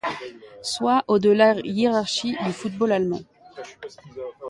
Soit au de la hiérarchie du football allemand.